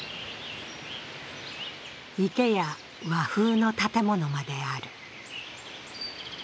池や和風の建物まである。